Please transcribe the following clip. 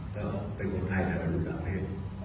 ก็เป็นคนไทยแทนมาดูตามเทศ